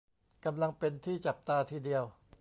กำลังเป็นที่จับตาทีเดียว